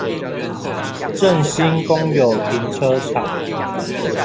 正興公有停車場